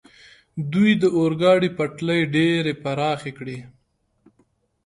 دوی د اورګاډي پټلۍ ډېرې پراخې کړې.